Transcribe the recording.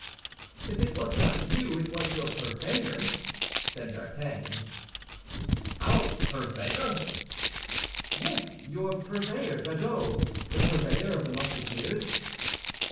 "If it was not you, it was your purveyor," said D'Artagnan. "Our purveyor!" "Yes, your purveyor, Godeau—the purveyor of the Musketeers."